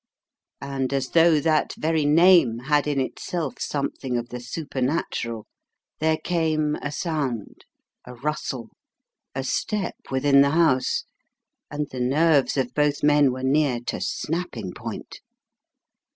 And as though that very name had in itself some thing of the supernatural, there came a sound, a rustle, a step within the house, and the nerves of both men were near to snapping point.